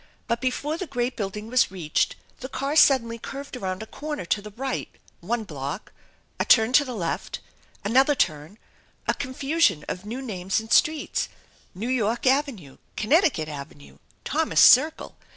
But before the great build ing was reached the car suddenly curved around a corner to the right, one block, a turn to the left, another turn, a confusion of new names and streets ! New York Avenue I Connecticut Avenue! Thomas Circle!